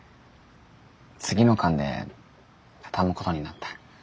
次の巻でたたむことになった。